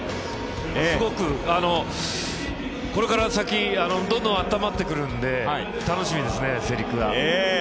すごくこれから先どんどんあったまってくるんで楽しみですね、世陸が。